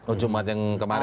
oh jumat yang kemarin